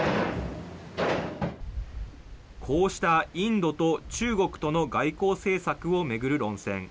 こうしたインドと中国との外交政策を巡る論戦。